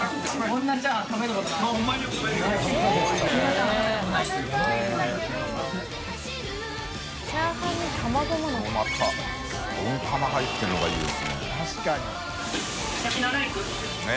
このまた攻入ってるのがいいですね。